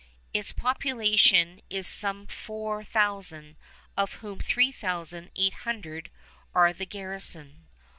Its population is some four thousand, of whom three thousand eight hundred are the garrison.